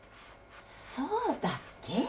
そうだっけ？